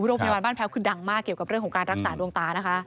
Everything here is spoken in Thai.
โรงพยาบาลบ้านแพ้วคือดังมากเกี่ยวกับเรื่องของการรักษาดวงตานะคะ